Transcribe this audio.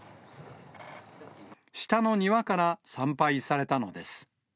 下の庭から参拝されたのです。